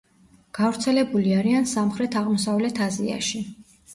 გავრცელებული არიან სამხრეთ-აღმოსავლეთ აზიაში.